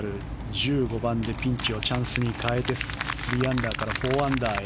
１５番でピンチをチャンスに変えて３アンダーから４アンダーへ。